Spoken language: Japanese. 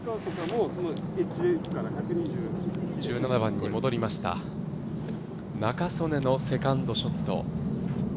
１７番に戻りました、仲宗根のセカンドショット。